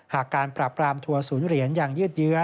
การปราบรามทัวร์ศูนย์เหรียญยังยืดเยื้อ